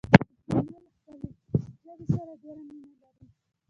پښتانه له خپلې ژبې سره ډېره مينه لري.